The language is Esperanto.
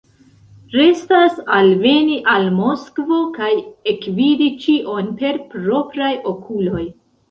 Restas alveni al Moskvo kaj ekvidi ĉion per propraj okuloj.